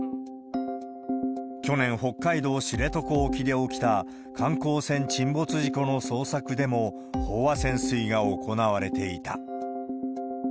去年、北海道知床沖で起きた観光船沈没事故の捜索でも、飽和潜水が行われていた。